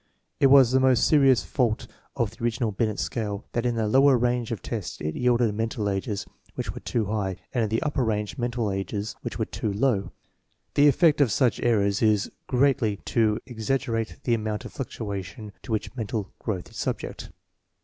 It was the most serious fault of the original Binet scale that in the lower range of tests it yielded mental ages which were too high, and in the upper range mental ages which were too low. The effect of such errors is greatly to exaggerate the amount of fluctuation to which mental growth is subject.